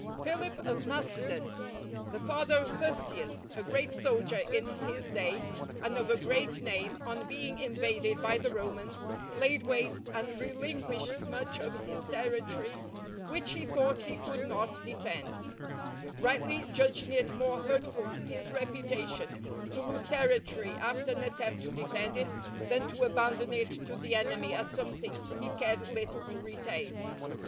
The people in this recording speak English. Philip of Macedon, the father of Perseus, a great soldier in his day, and of a great name, on being invaded by the Romans, laid waste and relinquished much of his territory which he thought he could not defend; rightly judging it more hurtful to his reputation to lose territory after an attempt to defend it, than to abandon it to the enemy as something he cared little to retain.